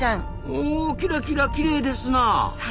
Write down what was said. おキラキラきれいですな！